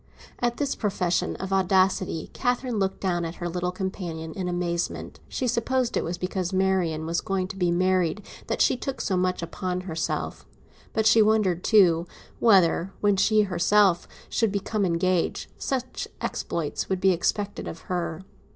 At this profession of audacity Catherine looked down at her little companion in amazement. She supposed it was because Marian was going to be married that she took so much on herself; but she wondered too, whether, when she herself should become engaged, such exploits would be expected of her.